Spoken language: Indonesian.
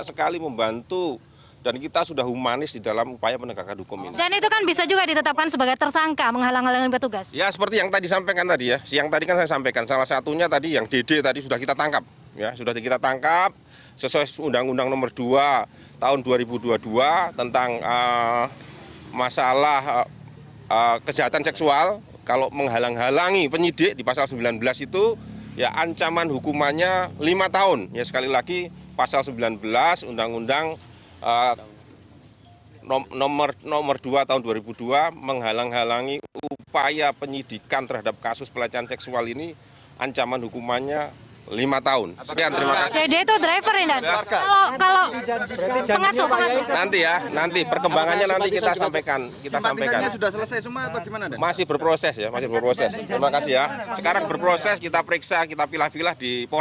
sekarang berproses kita periksa kita pilah pilah di pores terima kasih